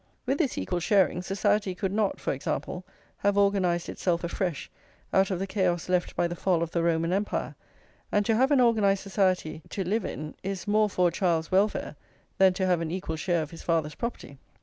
With this equal sharing, society could not, for example, have organised itself afresh out of the chaos left by the fall of the Roman Empire, and to have an organised society to live in is more for a child's welfare than to have an equal share of his father's property.